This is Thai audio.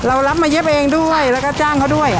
เรารับมาเย็บเองด้วยแล้วก็จ้างเขาด้วย